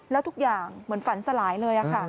แล้วทุกอย่างเหมือนฝันสลายเลยค่ะ